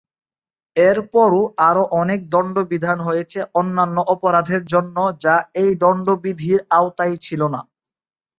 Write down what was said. এর পরও আরও অনেক দন্ড বিধান হয়েছে অন্যান্য অপরাধের জন্য যা এই দন্ড বিধির আওতায় ছিল না।